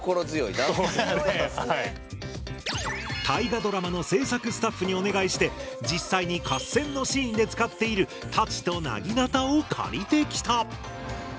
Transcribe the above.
大河ドラマの制作スタッフにお願いして実際に合戦のシーンで使っている太刀となぎなたを借りてきた。